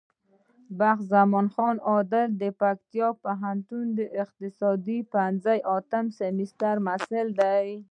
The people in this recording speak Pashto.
بخت زمان عادل د پکتيا پوهنتون د اقتصاد پوهنځی اتم سمستر محصل دی.